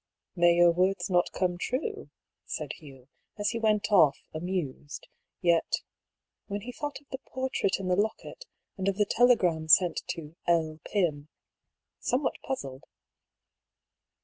" May your words not come true," said Hugh, as he went off, amused, yet — when he thought of the portrait in the locket, and of the telegram sent to " L. Pym "— somewhat puzzled.